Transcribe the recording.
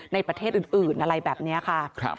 ในประเทศอื่นอะไรแบบนี้ค่ะ